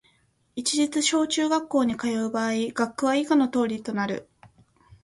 市立小・中学校に通う場合、学区は以下の通りとなる